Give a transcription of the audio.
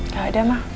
gak ada ma